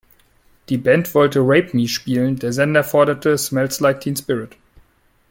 Die Band wollte "Rape Me" spielen, der Sender forderte "Smells Like Teen Spirit".